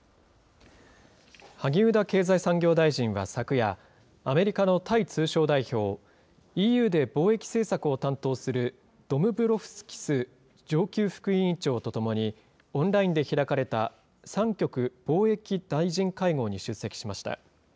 萩生田経済産業大臣は昨夜、アメリカのタイ通商代表、ＥＵで貿易政策を担当するドムブロフスキス上級副委員長と共に、オンラインで開かれた三極貿易大臣会合に出席しました。